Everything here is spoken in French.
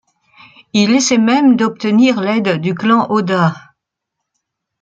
Il essaye même d'obtenir l'aide du clan Oda.